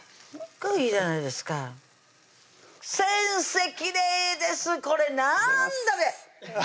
きれいですこれなんだべ！